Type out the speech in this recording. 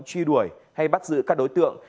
truy đuổi hay bắt giữ các đối tượng